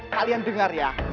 kalian dengar ya